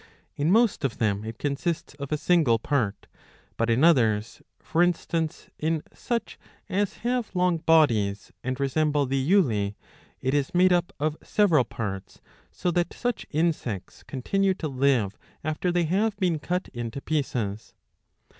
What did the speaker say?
In most of them it consists of a single part ; but in •others, for instance in such as have long bodies and resemble the Juli,™ it is made up of several parts, so that such insects continue to live after they have been cut into pieces.'''